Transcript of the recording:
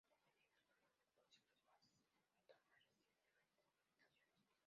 Dependiendo del número de posibles fases a tomar, recibe diferentes denominaciones.